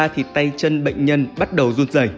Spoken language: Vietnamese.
thì tay chân bệnh nhân bắt đầu run rẩy